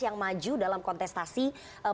yang maju dalam kontestasi